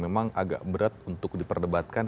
memang agak berat untuk diperdebatkan